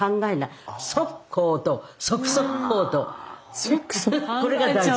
ねっこれが大事。